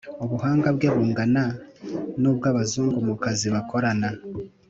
Ubuhanga bwe bungana n'ubw'Abazungu mu kazi bakorana